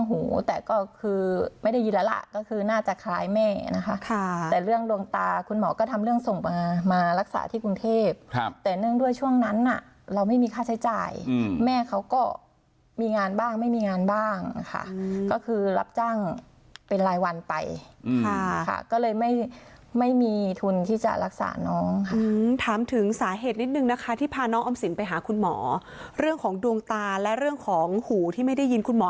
หมอก็ทำเรื่องส่งมามารักษาที่กรุงเทพฯครับแต่เนื่องด้วยช่วงนั้นน่ะเราไม่มีค่าใช้จ่ายอืมแม่เขาก็มีงานบ้างไม่มีงานบ้างค่ะอืมก็คือรับจ้างเป็นรายวันไปอืมค่ะก็เลยไม่ไม่มีทุนที่จะรักษาน้องค่ะอืมถามถึงสาเหตุนิดหนึ่งนะคะที่พาน้องอำสินไปหาคุณหมอเรื่องของดวงตาและเรื่องของหูที่ไม่ได้ยินคุ